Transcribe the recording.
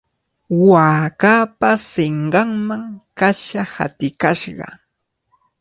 Waakapa sinqanman kasha hatikashqa.